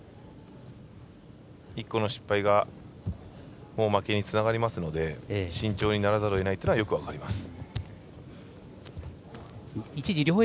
１個の失敗が負けにつながりますので慎重にならざるをえないというのは分かります。